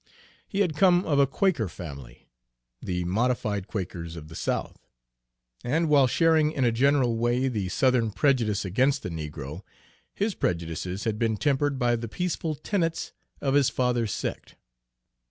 He had come of a Quaker family, the modified Quakers of the South, and while sharing in a general way the Southern prejudice against the negro, his prejudices had been tempered by the peaceful tenets of his father's sect.